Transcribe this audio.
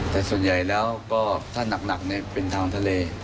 แต่ส่วนใหญ่แล้วก็ถ้าหนักเป็นทางทะเล